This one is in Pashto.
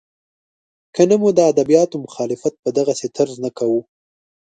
که نه مو د ادبیاتو مخالفت په دغسې طرز نه کاوه.